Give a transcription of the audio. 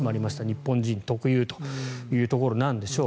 日本人特有というところなんでしょう。